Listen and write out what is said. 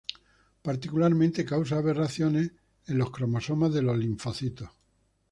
Particularmente, causa "aberraciones en los cromosomas" de los linfocitos.